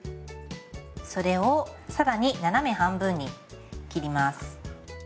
それを更に斜め半分に切ります。